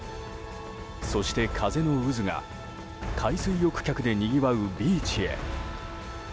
そして、風の渦が海水浴客でにぎわうビーチへ。